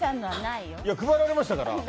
いや、配られましたから。